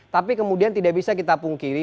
tapi kemudian tidak bisa kita pungkiri